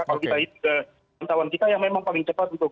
kalau kita lihat pantauan kita yang memang paling cepat untuk